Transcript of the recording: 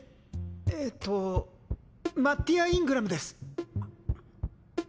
えっとマッティア・イングラムです！